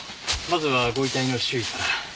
まずはご遺体の周囲から。